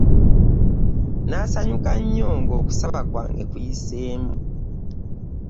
Nnaasanyuka nnyo ng'okusaba kwange kuyiseemu.